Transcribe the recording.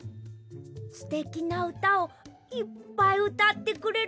すてきなうたをいっぱいうたってくれるひとだよ。